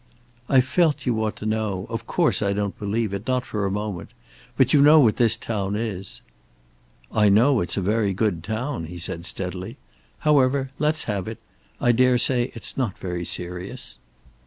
"I felt you ought to know. Of course I don't believe it. Not for a moment. But you know what this town is." "I know it's a very good town," he said steadily. "However, let's have it. I daresay it is not very serious."